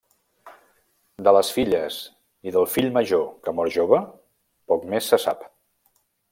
De les filles i del fill major, que mor jove, poc més se sap.